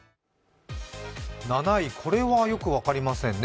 ７位、これはよく分かりませんね。